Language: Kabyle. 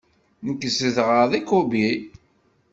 Nekk zedɣeɣ deg Kobe.